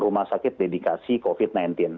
rumah sakit dedikasi covid sembilan belas